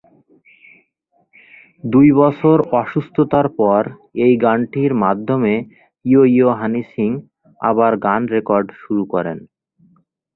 দুই বছর অসুস্থতার পর এই গানটির মাধ্যমে ইয়ো ইয়ো হানি সিং আবার গান রেকর্ড শুরু করেন।